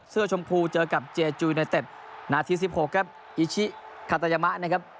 ชมพูเจอกับเจจุยไนเต็ดนาที๑๖ครับอิชิคาตายามะนะครับ